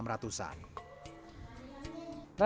raden suleiman adalah